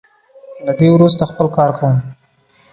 له دې وروسته خپل کار کوم.